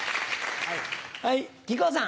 はい。